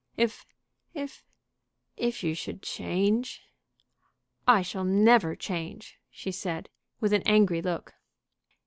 "If if if you should change " "I shall never change!" she said, with an angry look.